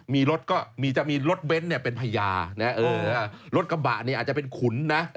มีรถก็จะมีรถเบ้นเป็นพญารถกระบะอาจจะเป็นขุนนะ